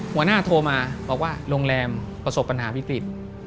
หัวหน้าโทรมาบอกว่าโรงแรมประสบปัญหาวิกฤต